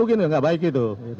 mungkin nggak baik itu